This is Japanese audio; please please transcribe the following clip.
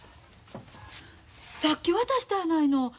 さっき渡したやないの。